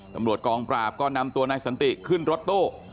ตำรวจกองปราบก็นำตัวนายสันติขึ้นรถตู้